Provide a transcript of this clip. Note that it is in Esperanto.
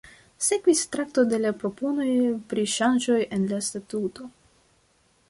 Sekvis trakto de la proponoj pri ŝanĝoj en la statuto.